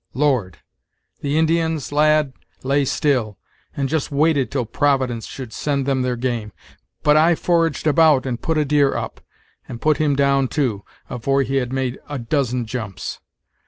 Lord! The Indians, lad, lay still, and just waited till Providence should send them their game, but I foraged about, and put a deer up, and put him down too, afore he had made a dozen jumps.